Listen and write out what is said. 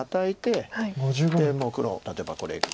でもう黒例えばこれ。